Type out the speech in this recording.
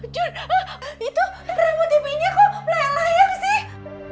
jun itu remote tv nya kok layak layak sih